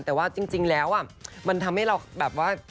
แต่ว่าจริงแล้วมันทำให้เราแบบว่า